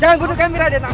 jangan gunakan kami raden